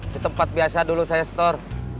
di tempat biasa dulu saya store